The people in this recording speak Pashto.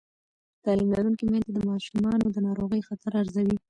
تعلیم لرونکې میندې د ماشومانو د ناروغۍ خطر ارزوي.